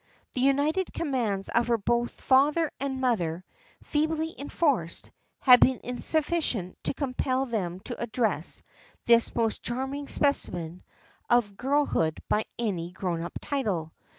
The united commands of both father and mother (feebly enforced) had been insufficient to compel them to address this most charming specimen of girlhood by any grown up title.